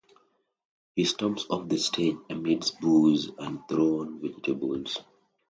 He storms off the stage amidst boos and thrown vegetables.